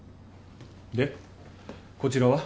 でこちらは？